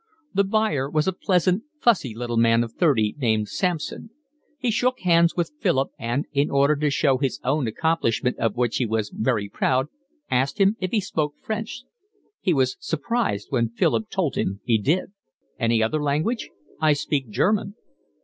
The buyer was a pleasant, fussy little man of thirty, named Sampson; he shook hands with Philip, and, in order to show his own accomplishment of which he was very proud, asked him if he spoke French. He was surprised when Philip told him he did. "Any other language?" "I speak German."